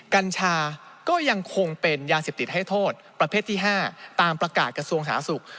กัญชาก็ยังคงเป็นยาเสพติดให้โทษประเภทที่๕ตามประกาศกระทรวงสาธารณสุข